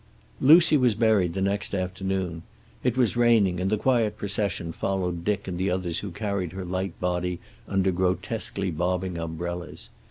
Lucy was buried the next afternoon. It was raining, and the quiet procession followed Dick and the others who carried her light body under grotesquely bobbing umbrellas.